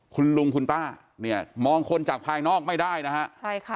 คุณลุงคุณป้าเนี่ยมองคนจากภายนอกไม่ได้นะฮะใช่ค่ะ